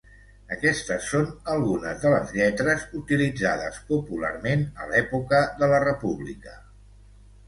Aquestes són algunes de les lletres utilitzades popularment a l'època de la República.